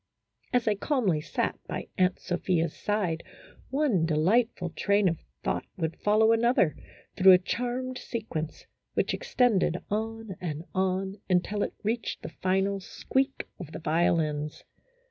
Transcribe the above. As I sat calmly by Aunt Sophia's side, one delightful train of thought would follow another, through a charmed sequence, which extended on and on until it reached the final squeak of the violins.